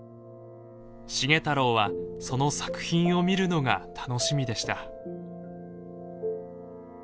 繁太郎はその作品を見るのが楽しみでした。